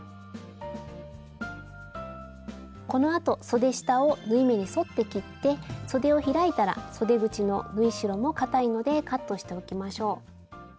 このあとそで下を縫い目に沿って切ってそでを開いたらそで口の縫い代もかたいのでカットしておきましょう。